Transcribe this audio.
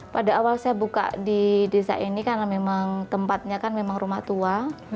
pada awal saya buka di desa ini karena memang tempatnya kan memang rumah tua